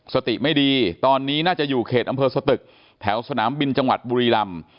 สติไม่ดีตอนนี้น่าจะอยู่เขตอำเภอสตึกแถวสนามบินจังหวัดบุรีรำ